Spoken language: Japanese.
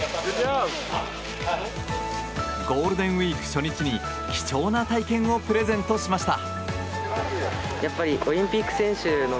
ゴールデンウィーク初日に貴重な体験をプレゼントしました。